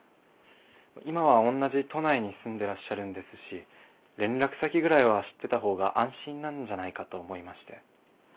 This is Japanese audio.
今は同じ都内に住んでらっしゃるんですし連絡先ぐらいは知ってた方が安心なんじゃないかと思いまして。